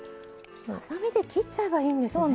はさみで切っちゃえばいいんですね。